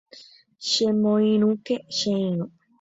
Chemoirũke che irũ